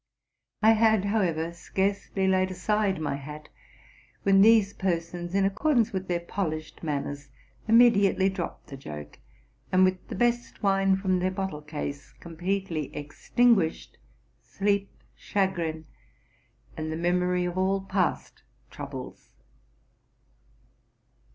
I had, however, seareely laid aside my hat, when these persons, in accord ance with 'their polished manners, immediately dropped the joke, and, with the best wine from their bottle case, com . pletely extinguished sleep, chagrin, and the memory of all past troubles.